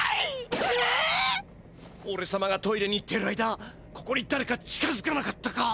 おれさまがトイレに行ってる間ここにだれか近づかなかったか？